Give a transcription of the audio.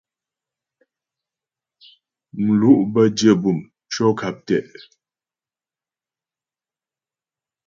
Mlu' bə́ dyə bûm tʉɔ̂ nkap tɛ'.